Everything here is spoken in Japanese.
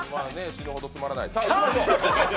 死ぬほどつまらない。